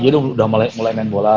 jadi udah mulai main bola